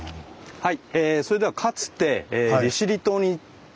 はい。